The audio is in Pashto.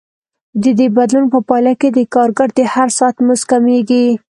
د دې بدلون په پایله کې د کارګر د هر ساعت مزد کمېږي